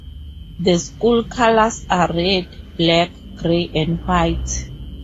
The school colors are red, black, gray, and white.